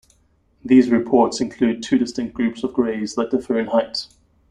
These reports include two distinct groups of Greys that differ in height.